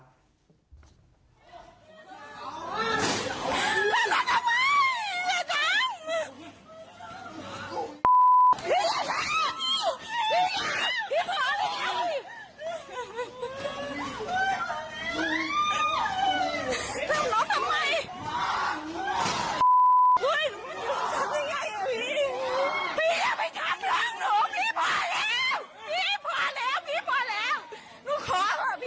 ทำไม